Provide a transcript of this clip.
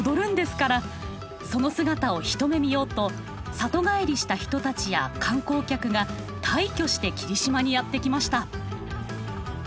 その姿を一目見ようと里帰りした人たちや観光客が大挙して霧島にやって来ました。